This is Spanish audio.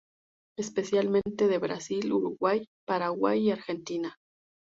Especialmente de Brasil, Uruguay, Paraguay y Argentina.